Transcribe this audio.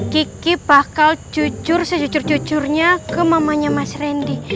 kiki bakal jujur sejujur jujurnya ke mamanya mas randy